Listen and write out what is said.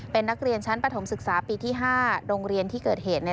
เป็นนักเรียนชั้นปฐมศึกษาปีที่๕โรงเรียนที่เกิดเหตุ